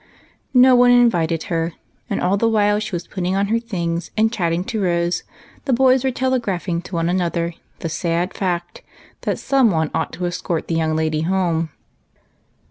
No one invited her ; and all the while she was put ting on her things and chatting to Rose the boys were telegraphing to one another the sad fact that some one ought to escort the young lady home.